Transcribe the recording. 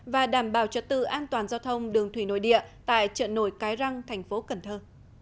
và đảm bảo trật tự an toàn giao thông đường thủy nội địa tại trợ nổi cái răng tp cần thơ